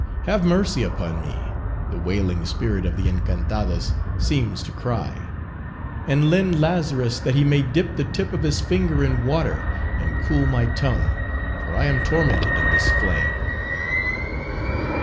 "Have mercy upon me," the wailing spirit of the Encantadas seems to cry, "and send Lazarus that he may dip the tip of his finger in water and cool my tongue, for I am tormented in this flame."